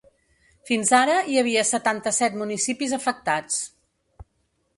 Fins ara, hi havia setanta-set municipis afectats.